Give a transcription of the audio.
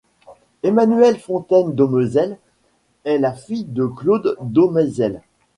Emmanuelle Fontaine-Domeizel est la fille de Claude Domeizel.